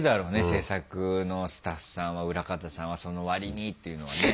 制作のスタッフさんは裏方さんは「その割に」っていうのはね。